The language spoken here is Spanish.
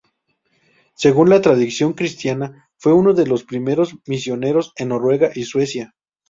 Según la tradición cristiana, fue uno de los primeros misioneros en Noruega y Suecia.